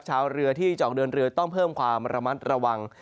ชาวเรือที่จะออกเดินเรือต้องเพิ่มความระมัดระวัง